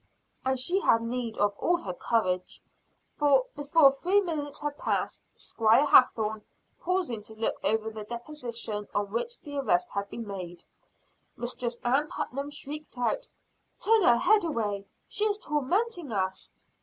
And she had need of all her courage. For, before three minutes had passed Squire Hathorne pausing to look over the deposition on which the arrest had been made Mistress Ann Putnam shrieked out, "Turn her head away, she is tormenting us!